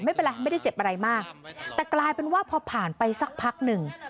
ไม่เป็นไรไม่ได้เจ็บอะไรมากแต่กลายเป็นว่าพอผ่านไปสักพักหนึ่ง